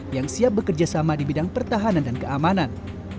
yang siap bekerjasama di bidang pertahanan dan keamanan